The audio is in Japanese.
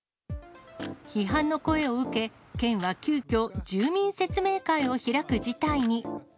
批判の声を受け、県は急きょ、住民説明会を開く事態に。